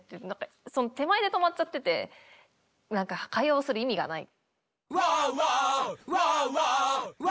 その手前で止まっちゃってて何か会話をする意味がない。